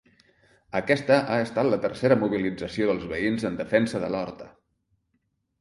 Aquesta ha estat la tercera mobilització dels veïns en defensa de l’horta.